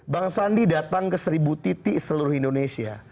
bang sandi datang ke seribu titik seluruh indonesia